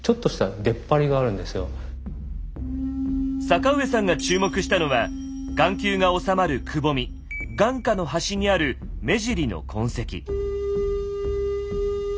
坂上さんが注目したのは眼球が収まるくぼみ眼窩の端にある目尻の痕跡。